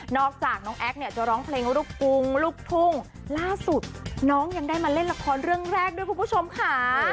อกจากน้องแอ๊กเนี่ยจะร้องเพลงลูกกรุงลูกทุ่งล่าสุดน้องยังได้มาเล่นละครเรื่องแรกด้วยคุณผู้ชมค่ะ